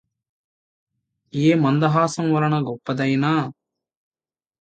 ఏ మందహాసమువలన గొప్పదైన